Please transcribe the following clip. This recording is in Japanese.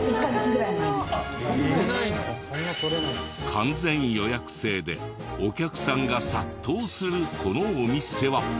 完全予約制でお客さんが殺到するこのお店は？